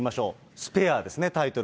スペアですね、タイトル。